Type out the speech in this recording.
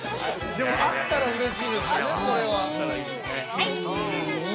◆でもあったらうれしいこですね、これは。